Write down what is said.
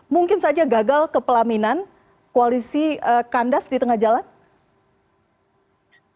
mungkin saja gagal kepelaminan koalisi kandas di tengah jalan